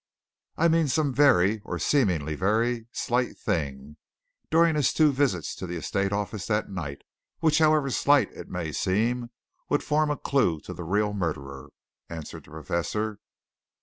"I mean some very or seemingly very slight thing, during his two visits to the estate office that night, which, however slight it may seem, would form a clue to the real murderer," answered the Professor.